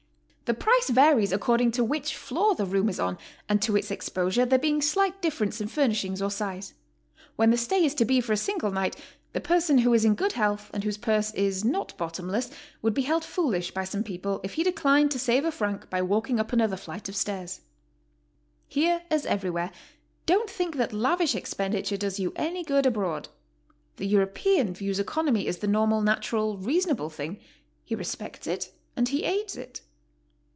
The price varies according to which floor the room is on, and to its exposure, there being slight difference in furnishings or size. When the stay is to be for a single night, the person who is in good health and whose purse is not bottomless, would be held foolish by some people if he declined to save a franc by walking up another flight of stairs. Here, as everywhere, don't think that lavish expenditure does you any good abroad. The European views economy as the normal, natural, reasonable thing; he respects it and he aids it.